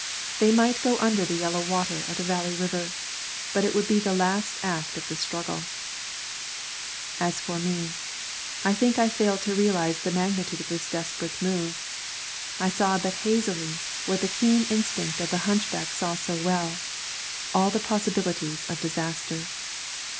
They might go under the yellow water of the Valley River, but it would be the last act of the last struggle. As for me, I think I failed to realise the magnitude of this desperate move. I saw but hazily what the keen instinct of the hunchback saw so well, all the possibilities of disaster.